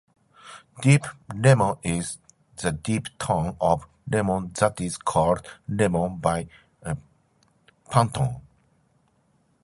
"Deep lemon" is the deep tone of lemon that is called "lemon" by Pantone.